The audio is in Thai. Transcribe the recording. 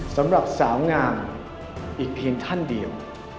สำหรับสาวงามอีกเพียงท่านเดียว